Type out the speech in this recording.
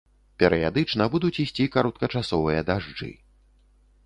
Перыядычна будуць ісці кароткачасовыя дажджы.